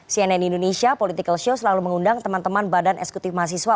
cnn indonesia political show selalu mengundang teman teman badan eksekutif mahasiswa